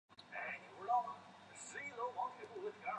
新罗萨兰迪亚是巴西托坎廷斯州的一个市镇。